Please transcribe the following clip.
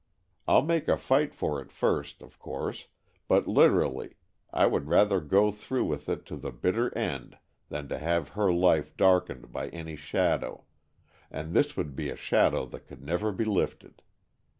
I'll make a fight for it first, of course, but literally, I would rather go through with it to the bitter end than to have her life darkened by any shadow, and this would be a shadow that could never be lifted.